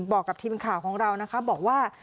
บอกกับทีมข่าวของเรานะคะบอกว่า